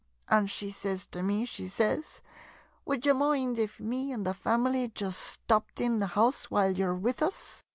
" An' she sez to me — she sez, " Would ye moind if me an' the family just stopped in the house while ye 're with us